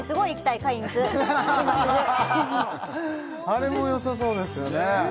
あれもよさそうですよね